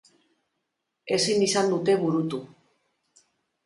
Ezin izan dute burutu.